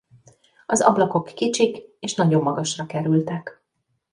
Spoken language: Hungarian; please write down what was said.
Az ablakok kicsik és nagyon magasra kerültek.